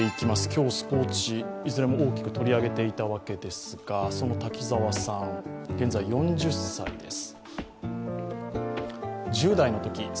今日、スポーツ紙、いずれも大きく取り上げていたわけですが、その滝沢さん、現在４０歳です。